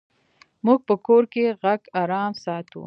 موږ په کور کې غږ آرام ساتو.